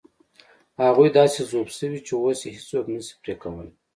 هغوی داسې ذوب شوي چې اوس یې هېڅوک نه شي پرې کولای.